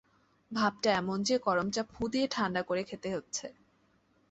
ভাবটা এমন যে, গরম চা ফুঁ দিয়ে ঠাণ্ডা করে খেতে হচ্ছে।